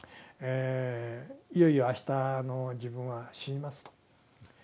いよいよあした自分は死にますと。